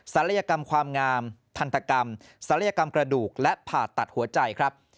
ลัยกรรมความงามทันตกรรมศัลยกรรมกระดูกและผ่าตัดหัวใจครับ